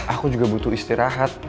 aku juga butuh istirahat